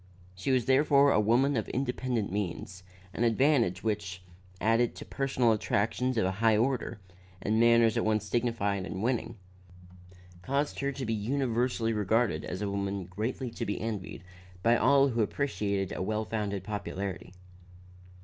She was therefore a woman of independent means, an advantage which, added to personal attractions of a high order, and manners at once dignified and winning, caused her to be universally regarded as a woman greatly to be envied by all who appreciated a well founded popularity.